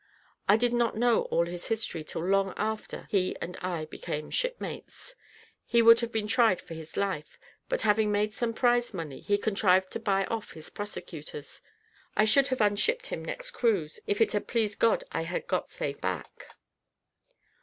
I did not know all his history till long after he and I became shipmates. He would have been tried for his life; but having made some prize money, he contrived to buy off his prosecutors. I should have unshipped him next cruise, if it had pleased God I had got safe back."